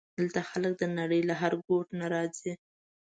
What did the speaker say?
دلته خلک د نړۍ له هر ګوټ نه راځي.